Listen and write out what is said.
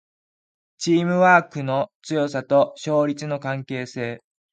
チームワークの強さと勝率の関係性